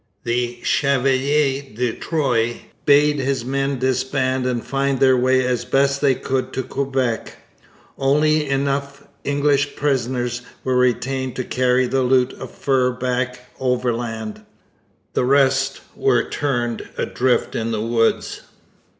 The Chevalier de Troyes bade his men disband and find their way as best they could to Quebec. Only enough English prisoners were retained to carry the loot of furs back overland. The rest were turned adrift in the woods.